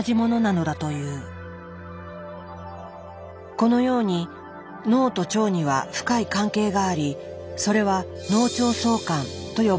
このように脳と腸には深い関係がありそれは「脳腸相関」と呼ばれている。